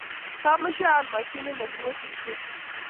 kamoche aal mashinit nekemwetishen.